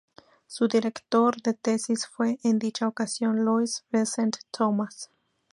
Su director de tesis fue, en dicha ocasión, Louis-Vincent Thomas.